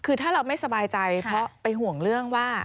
คือถ้าเราไม่สบายใจเพราะไปห่วงเรื่องว่า